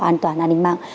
an toàn an ninh mạng